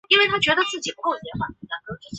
在伟大卫国战争期间该馆仍全力工作。